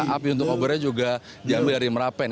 api untuk obornya juga diambil dari merapen